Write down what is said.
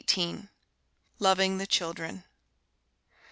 XVIII. LOVING THE CHILDREN.